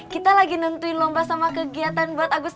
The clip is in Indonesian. kita lagi nentuin lomba sama kegiatan buat agung agung